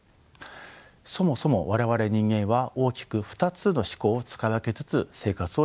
そもそも我々人間は大きく２つの思考を使い分けつつ生活をしています。